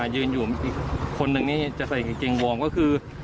ยืนอยู่อีกคนนึงนี่จะใส่กางเกงวอร์มก็คือ